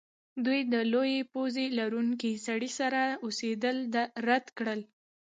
دوی د لویې پوزې لرونکي سړي سره اوسیدل رد کړل